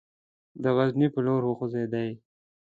د غزني پر لور وخوځېدی.